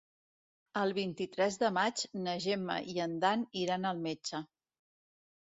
El vint-i-tres de maig na Gemma i en Dan iran al metge.